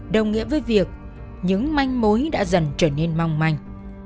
đồng nghĩa với việc những manh mối đã dần trở nên mong manh